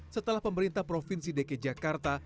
setelah pemerintah provinsi dki jakarta